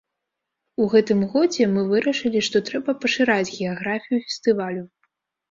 У гэтым годзе мы вырашылі, што трэба пашыраць геаграфію фестывалю.